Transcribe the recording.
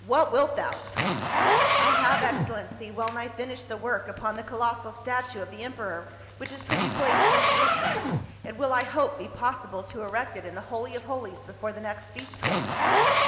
What wilt thou ?" THE COLOSSUS OF SID ON. 169 " I have, excellency, well nigh finished the work upon the colossal statue of the emperor, which is to be placed in Jerusalem. It will, I hope, be possible to erect it in the Holy of Holies before the next feast day."